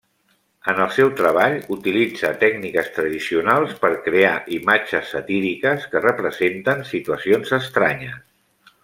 En el seu treball, utilitza tècniques tradicionals per crear imatges satíriques que representen situacions estranyes.